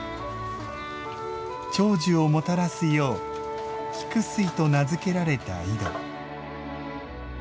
長寿をもたらすよう菊水と名付けられた井戸。